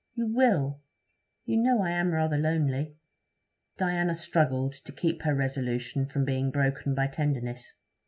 You will. You know I am rather lonely.' Diana struggled to keep her resolution from being broken by tenderness.